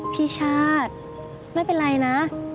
พี่ชาติไม่เป็นไรนะ